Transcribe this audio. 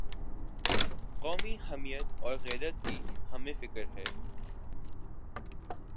قومی حمیت اور غیرت کی ہمیں فکر ہے۔